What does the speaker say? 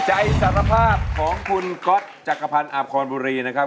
สารภาพของคุณก๊อตจักรพันธ์อาบคอนบุรีนะครับ